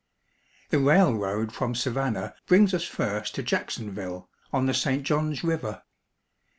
The railroad from Savannah brings us first to Jackson ville, on the St. Johns River.